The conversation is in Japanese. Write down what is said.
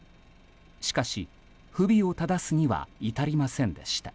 しかし、不備をただすには至りませんでした。